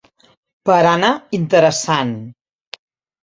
Barana interessant.